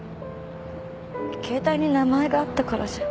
携帯に名前があったからじゃ？